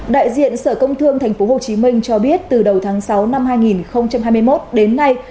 đại diện sở công thương tp hcm cho biết từ đầu tháng sáu năm hai nghìn hai mươi một đến nay